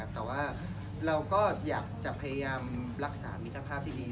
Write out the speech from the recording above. แต่ว่าเราก็อยากจะพยายามรักษามิตรภาพที่ดี